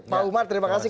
pak umar terima kasih